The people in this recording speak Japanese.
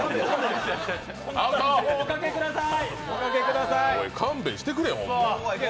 おかけください。